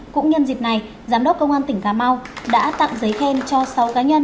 cũng nhân dịp này giám đốc công an tỉnh cà mau đã tặng giấy khen cho sáu cá nhân